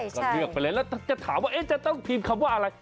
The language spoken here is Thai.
ก็เลือกไปเลยแล้วจะถามว่าจะต้องพิมพ์คำว่าอะไร